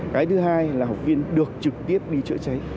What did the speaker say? cái thứ hai là học viên được trực tiếp đi chữa cháy